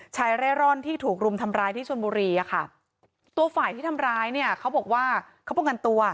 เร่ร่อนที่ถูกรุมทำร้ายที่ชนบุรีอะค่ะตัวฝ่ายที่ทำร้ายเนี่ยเขาบอกว่าเขาป้องกันตัว